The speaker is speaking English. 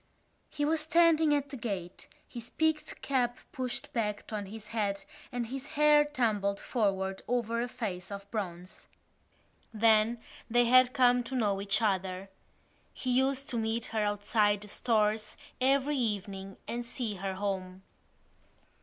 He was standing at the gate, his peaked cap pushed back on his head and his hair tumbled forward over a face of bronze. Then they had come to know each other. He used to meet her outside the Stores every evening and see her home.